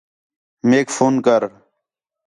میک فون کر